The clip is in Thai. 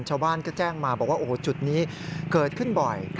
ชาวบ้านก็แจ้งมาบอกว่าโอ้โหจุดนี้เกิดขึ้นบ่อย